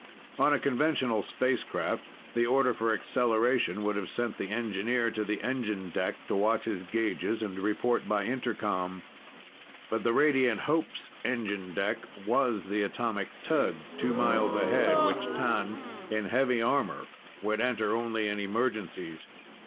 On a conventional space craft, the order for acceleration would have sent the engineer to the engine deck to watch his gauges and report by intercom. But the Radiant Hope's "engine deck" was the atomic tug two miles ahead, which T'an, in heavy armor, would enter only in emergencies.